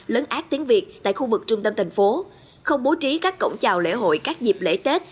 lớn ác tiếng việt tại khu vực trung tâm thành phố không bố trí các cổng chào lễ hội các dịp lễ tết